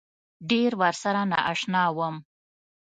ډېر ورسره نا اشنا وم.